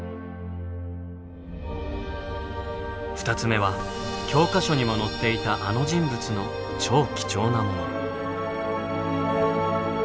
２つ目は教科書にも載っていたあの人物の超貴重なもの。